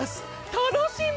楽しみ！